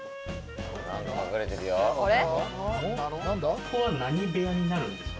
ここは何部屋になるんですか？